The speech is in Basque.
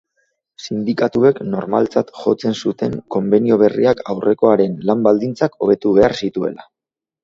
Sindikatuek normaltzat jotzen zuten konbenio berriak aurrekoaren lan-baldintzak hobetu behar zituela.